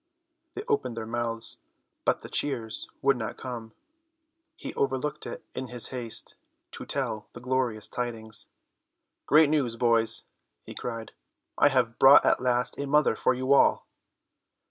They opened their mouths, but the cheers would not come. He overlooked it in his haste to tell the glorious tidings. "Great news, boys," he cried, "I have brought at last a mother for you all."